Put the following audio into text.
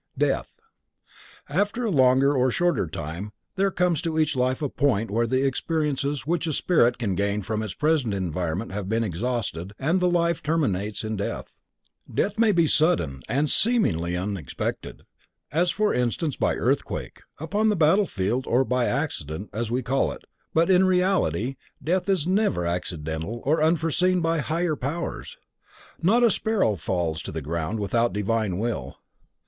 Death. After a longer or shorter time there comes in each life a point where the experiences which a spirit can gain from its present environment have been exhausted, and life terminates in death. Death may be sudden and seemingly unexpected, as for instance by earthquake, upon the battle field, or by accident, as we call it, but in reality, death is never accidental or unforeseen by Higher Powers. Not a sparrow falls to the ground without divine Will.